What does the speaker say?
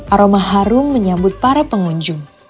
aroma harum menyambut para pengunjung